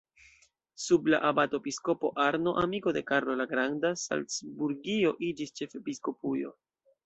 Sub la abato-episkopo Arno, amiko de Karlo la Granda, Salcburgio iĝis ĉefepiskopujo.